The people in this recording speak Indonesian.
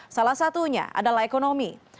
salah satunya adalah ekonomi